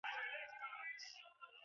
ما ولیدل چې هغې خپل کار بشپړ کړی ده